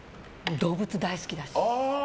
動物大好きだし。